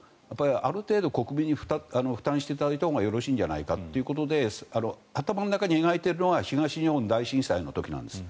ある程度、国民に負担していただいたほうがよろしいんじゃないかということで頭の中に描いているのは東日本大震災の時なんです。